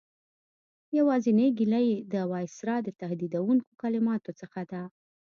یوازینۍ ګیله یې د وایسرا د تهدیدوونکو کلماتو څخه ده.